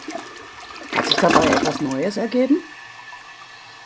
Hat sich dabei etwas Neues ergeben?